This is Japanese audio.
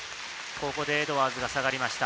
ここでエドワーズが下がりました。